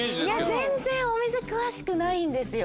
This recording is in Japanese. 全然お店詳しくないんですよ。